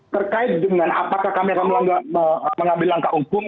terkait dengan apakah kami akan mengambil langkah hukum